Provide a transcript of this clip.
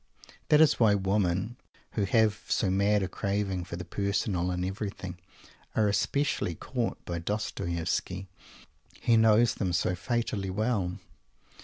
That is why women who have so mad a craving for the personal in everything are especially caught by Dostoievsky. He knows them so fatally well.